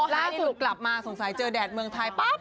ล่าสุดกลับมาสงสัยเจอแดดเมืองไทยปั๊บ